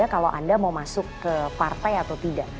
kalau anda mau masuk ke partai atau tidak